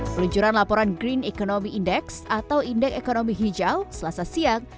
peluncuran laporan green economy index atau indeks ekonomi hijau selasa siang